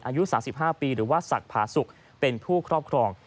อายุ๓๕ปีหรือว่าศักดิ์ผาสุกเป็นผู้ครอบครอง